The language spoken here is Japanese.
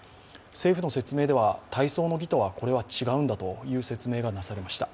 政府の説明では、大喪の儀とは違うんだという説明がなされました。